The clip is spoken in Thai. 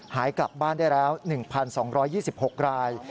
หายกลับบ้านได้แล้ว๑๒๒๖ราย